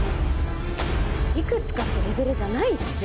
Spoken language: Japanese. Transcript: いくつかってレベルじゃないっしょ。